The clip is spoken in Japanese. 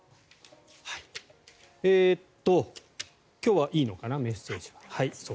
今日はいいのかなメッセージは。